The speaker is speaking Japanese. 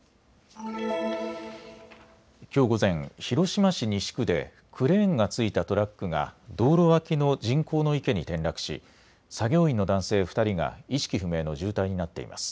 きょう午前、広島市西区でクレーンが付いたトラックが道路脇の人工の池に転落し作業員の男性２人が意識不明の重体になっています。